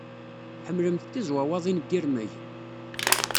Tḥemmlemt tizwawaḍin n yirmeg?